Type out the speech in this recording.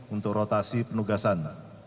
untuk rotasi penugasan